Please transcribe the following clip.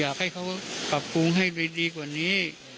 อยากให้เขาปรับปรุงให้ดีกว่านี้